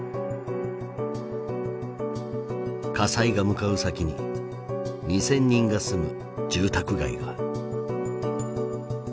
火災が向かう先に２，０００人が住む住宅街が。